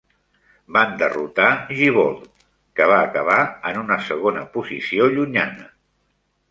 Van derrotar Gibeault, que va acabar en una segona posició llunyana.